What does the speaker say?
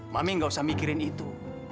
mami gak usah mikirin itu